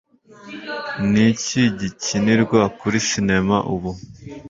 Ni iki gikinirwa kuri sinema ubu?